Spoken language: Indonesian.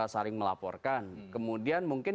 saring melaporkan kemudian mungkin